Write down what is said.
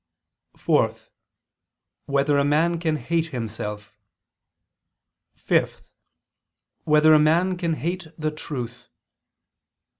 (4) Whether a man can hate himself? (5) Whether a man can hate the truth?